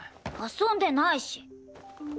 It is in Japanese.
遊んでないし。